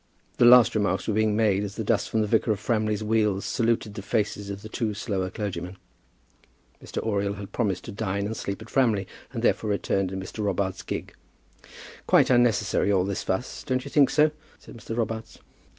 The last remarks were being made as the dust from the vicar of Framley's wheels saluted the faces of the two slower clergymen. Mr. Oriel had promised to dine and sleep at Framley, and therefore returned in Mr. Robarts' gig. "Quite unnecessary, all this fuss; don't you think so?" said Mr. Robarts.